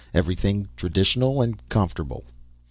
Everything traditional and comfortable.